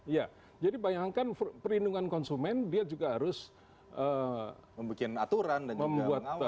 ya jadi bayangkan perlindungan konsumen dia juga harus membuat apa